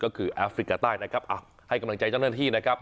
ก็คือแอฟริกาใต้นะครับให้กำลังใจเจ้าหน้าที่นะครับ